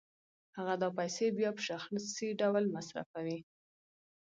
هغه دا پیسې بیا په شخصي ډول مصرفوي